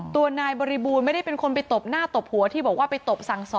ตัวนายบริบูรณ์ไม่ได้เป็นคนไปตบหน้าตบหัวที่บอกว่าไปตบสั่งสอน